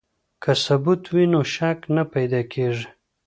که ثبوت وي نو شک نه پیدا کیږي.